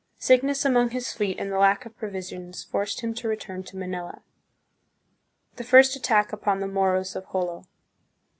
Sickness among his fleet and the lack of provisions forced him to return to Manila. The First Attack upon the Moros of Jolo.